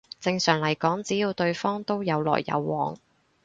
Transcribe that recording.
正常嚟講只要對方都有來有往